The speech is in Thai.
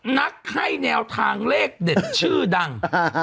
นักให้แนวทางเลขเด็ดชื่อดัง